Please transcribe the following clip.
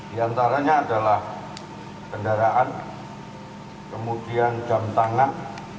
di antaranya adalah kendaraan kemudian jam tangan